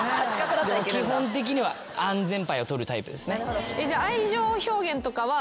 でも基本的には安全牌を取るタイプですね。